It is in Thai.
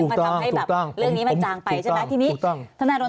ที่จะทำให้เรื่องนี้มันจางไปใช่ไหม